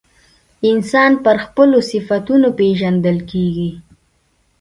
انسان پر خپلو صفتونو پیژندل کیږي.